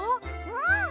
うん！